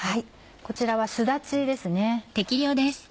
こちらはすだちですね。